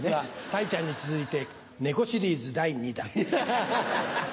たいちゃんに続いて猫シリーズ第２弾。